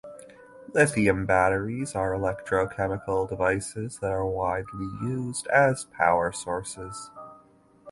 Lithium batteries are electrochemical devices that are widely used as power sources.